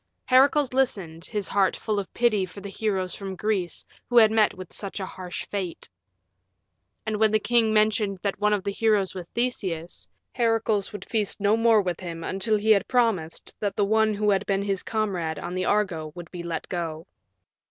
Heracles listened, his heart full of pity for the heroes from Greece who had met with such a harsh fate. And when the king mentioned that one of the heroes was Theseus, Heracles would feast no more with him until he had promised that the one who had been his comrade on the Argo would be let go.